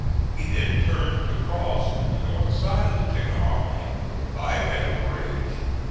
He then turned to cross to the north side of the Chickahominy by Meadow Bridge.